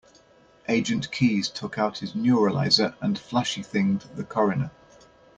Agent Keys took out his neuralizer and flashy-thinged the coroner.